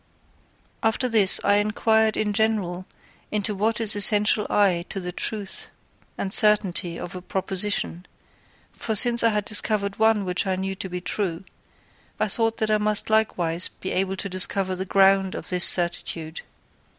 After this I inquired in general into what is essential to the truth and certainty of a proposition; for since I had discovered one which I knew to be true, I thought that I must likewise be able to discover the ground of this certitude.